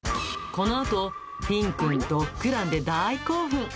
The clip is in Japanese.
このあと、フィンくん、ドッグランで大興奮。